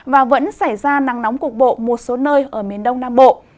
và vẫn xảy ra nắng nóng cục bộ một số nơi ở miền đông nam bộ